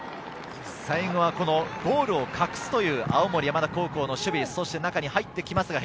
最後はゴールを隠すという青森山田高校の守備です。